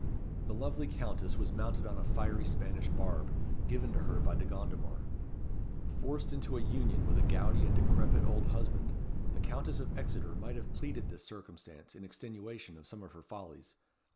The lovely Countess was mounted on a fiery Spanish barb, given to her by De Gondomar. Forced into a union with a gouty and decrepit old husband, the Countess of Exeter might have pleaded this circumstance in extenuation of some of her follies.